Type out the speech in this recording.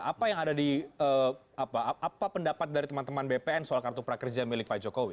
apa yang ada di apa pendapat dari teman teman bpn soal kartu prakerja milik pak jokowi